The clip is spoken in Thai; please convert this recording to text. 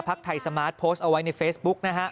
ไทยสมาร์ทโพสต์เอาไว้ในเฟซบุ๊กนะฮะ